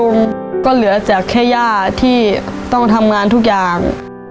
ถูกตัดขาไปลงก็เหลือจากแค่ย่าที่ต้องทำงานทุกอย่าง